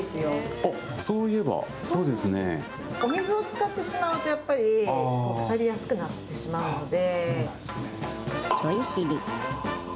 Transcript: お水を使ってしまうと、やっぱり腐りやすくなってしまうので。